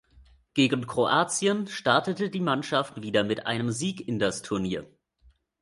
Gegen Kroatien startete die Mannschaft wieder mit einem Sieg in das Turnier.